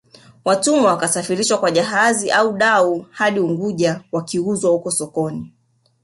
Watumwa wakasafirishwa kwa jahazi au dau hadi Unguja wakiuzwa huko sokoni